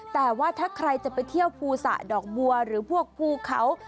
แต่ว่าถ้าใครจะไปเที่ยวภูสะดอกบัวหรือพวกภูเขา